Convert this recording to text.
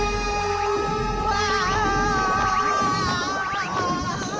うわ！